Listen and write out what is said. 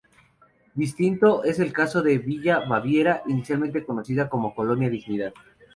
Distinto es el caso de Villa Baviera, inicialmente conocida como Colonia Dignidad.